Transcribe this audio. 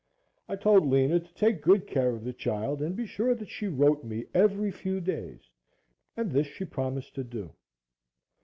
I told Lena to take good care of the child and be sure that she wrote me every few days and this she promised to do.